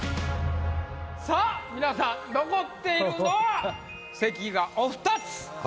さぁ皆さん残っているのは席がお２つ。